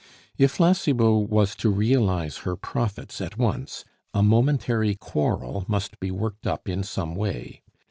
If La Cibot was to realize her profits at once, a momentary quarrel must be worked up in some way.